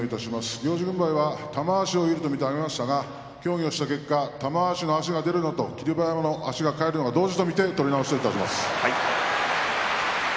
行司軍配は玉鷲に上がりましたが協議をした結果玉鷲の足が出るのと霧馬山の足が返るのが同時と見て取り直しといたします。